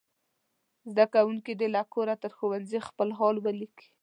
زده کوونکي دې له کوره تر ښوونځي خپل حال ولیکي.